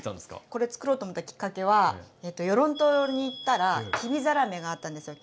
これつくろうと思ったきっかけは与論島に行ったらきびざらめがあったんですよ。